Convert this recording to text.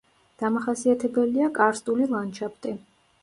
დამახასიათებელია კარსტული ლანდშაფტი.